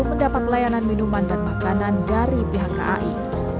mendapat layanan minuman dan makanan dari pihak kai